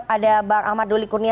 ada bang ahmad doli kurnia